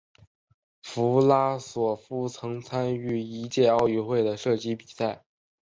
弗拉索夫曾参与一届奥运会的射击比赛。